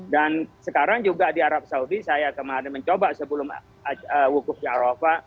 dan sekarang juga di arab saudi saya kemarin mencoba sebelum wukuf di arova